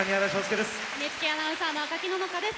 ＮＨＫアナウンサーの赤木野々花です。